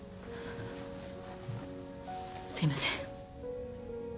すいません。